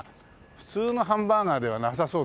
普通のハンバーガーではなさそうだな。